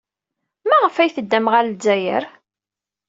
Maɣef ay teddam ɣer Lezzayer?